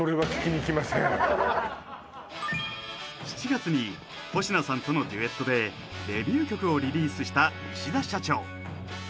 ７月に保科さんとのデュエットでデビュー曲をリリースした石田社長